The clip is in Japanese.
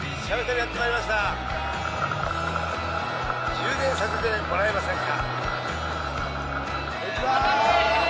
「充電させてもらえませんか？」。